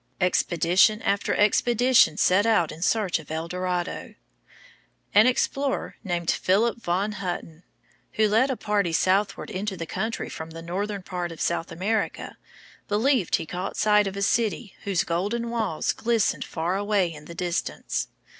Expedition after expedition set out in search of El Dorado. An explorer named Philip von Hutten, who led a party southward into the country from the northern part of South America, believed he caught sight of a city whose golden walls glistened far away in the distance.